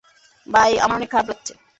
ভাই, আমার অনেক খারাপ লাগছে।